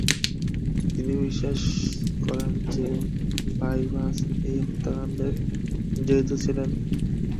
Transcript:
তিনি বিশ্বাস করেন যে, বাইবার্স এই হত্যাকান্ডে জড়িত ছিলেন।